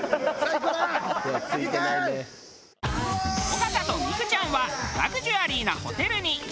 尾形と三九ちゃんはラグジュアリーなホテルに。